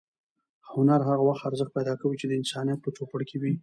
هنر هغه وخت ارزښت پیدا کوي چې د انسانیت په چوپړ کې وي.